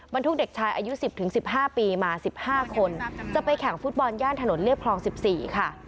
บรรทุกเด็กชายอายุ๑๐๑๕ปีมา๑๕คนจะไปแข่งฟุตบอลย่านถนนเรียบคลอง๑๔ค่ะ